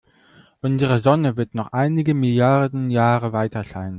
Unsere Sonne wird noch einige Milliarden Jahre weiterscheinen.